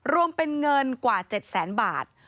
รวมเป็นเงินกว่า๗แสนบาท